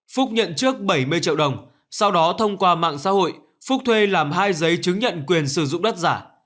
phúc nhận trước bảy mươi triệu đồng sau đó thông qua mạng xã hội phúc thuê làm hai giấy chứng nhận quyền sử dụng đất giả